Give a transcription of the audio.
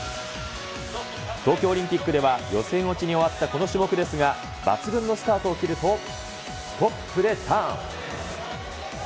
東京オリンピックでは、予選落ちに終わったこの種目ですが、抜群のスタートを切ると、トップでターン。